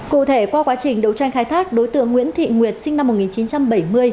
cụ thể qua quá trình đấu tranh khai thác đối tượng nguyễn thị nguyệt sinh năm một nghìn chín trăm bảy mươi